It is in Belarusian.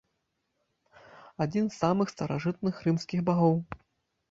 Адзін з самых старажытных рымскіх багоў.